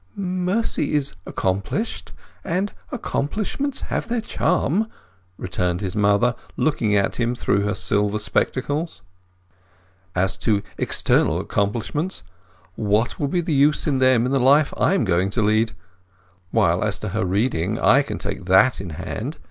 "Mercy is accomplished. And accomplishments have their charm," returned his mother, looking at him through her silver spectacles. "As to external accomplishments, what will be the use of them in the life I am going to lead?—while as to her reading, I can take that in hand.